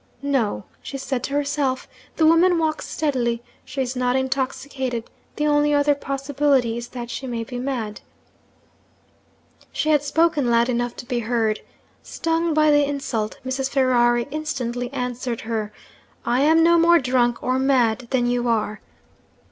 'No,' she said to herself, 'the woman walks steadily; she is not intoxicated the only other possibility is that she may be mad.' She had spoken loud enough to be heard. Stung by the insult, Mrs. Ferrari instantly answered her: 'I am no more drunk or mad than you are!'